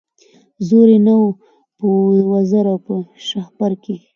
زور یې نه وو په وزر او په شهپر کي